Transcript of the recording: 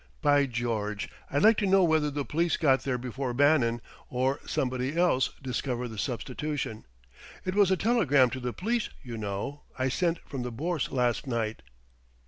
... By George, I'd like to know whether the police got there before Bannon, or somebody else, discovered the substitution. It was a telegram to the police, you know, I sent from the Bourse last night!"